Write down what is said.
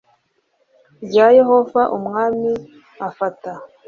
Rya yehova umwami afata